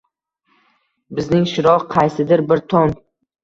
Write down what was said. Bizning Shiroq, qaysidir bir tong